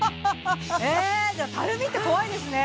たるみって怖いですね